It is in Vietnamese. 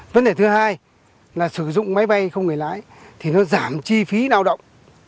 vấn đề thứ hai là sử dụng máy bay không người lái thì nó giảm chi phí lao động